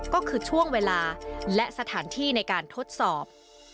ก็คือช่วงเวลาและสถานที่ในการทดสอบ